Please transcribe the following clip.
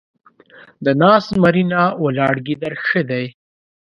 د ناست زمري نه ، ولاړ ګيدړ ښه دی.